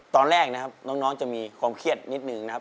ตอนแรกนะครับน้องจะมีความเครียดนิดนึงนะครับ